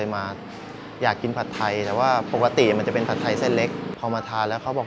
มาอยากกินผัดไทยแต่ว่าปกติมันจะเป็นผัดไทยเส้นเล็กพอมาทานแล้วเขาบอก